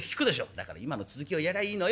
「だから今の続きをやりゃいいのよ。